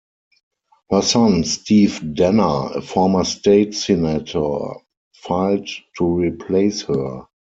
Her son, Steve Danner, a former state senator, filed to replace her.